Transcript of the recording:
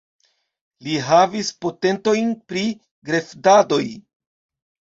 Li havis patentojn pri greftadoj.